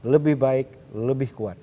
lebih baik lebih kuat